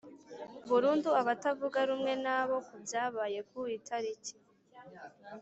burundu abatavuga rumwe na bo ku byabaye. ku itariki